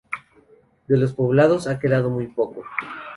De los poblados ha quedado muy poco.